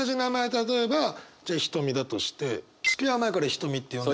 例えばじゃあひとみだとしてつきあう前から「ひとみ」って呼んでた。